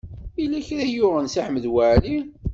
Yella kra i yuɣen Si Ḥmed Waɛli.